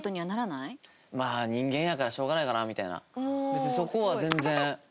別にそこは全然。